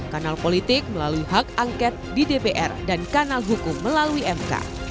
kanal politik melalui hak angket di dpr dan kanal hukum melalui mk